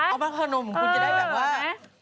ออกมาเฮิลโซมคุณจะได้แบบว่า